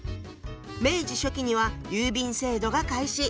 明治初期には郵便制度が開始。